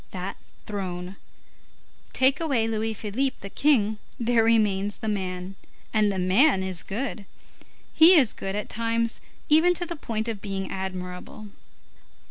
That throne. Take away Louis Philippe the king, there remains the man. And the man is good. He is good at times even to the point of being admirable.